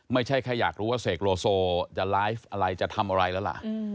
ไม่ใช่แค่อยากรู้ว่าเสกโลโซจะไลฟ์อะไรจะทำอะไรแล้วล่ะ